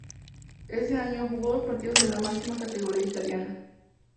Ése año, jugó dos partidos en la máxima categoría italiana.